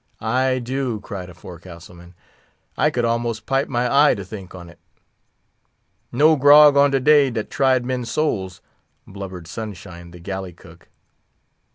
"Ay, do!" cried a forecastle man. "I could almost pipe my eye to think on't." "No grog on de day dat tried men's souls!" blubbered Sunshine, the galley cook.